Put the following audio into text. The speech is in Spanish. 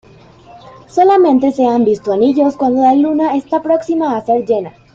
Solamente se han visto anillos cuando la Luna está próxima a ser llena.